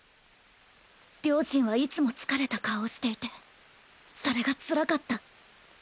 両親はいつも疲れた顔をしていてそれがつらかった。